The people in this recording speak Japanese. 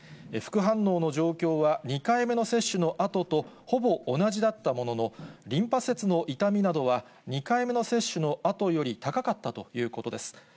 副反応の状況は、２回目の接種のあととほぼ同じだったものの、リンパ節の痛みなどは、２回目の接種のあとより高かったということです。